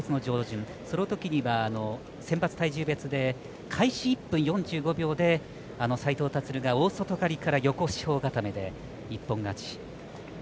そのときには、選抜体重別で開始１分４５秒で斉藤立が大外刈りから横四方固めで一本勝ち。